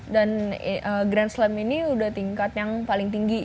dan grand slam ini udah tingkat yang paling tinggi